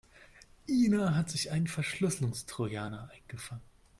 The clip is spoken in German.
Ina hat sich einen Verschlüsselungstrojaner eingefangen.